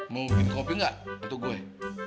mau minum kopi gak untuk gue